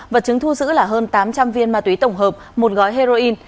vật chứng thu giữ là hơn tám trăm linh viên ma túy tổng hợp một gói heroin